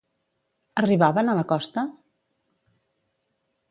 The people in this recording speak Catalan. Arribaven a la costa?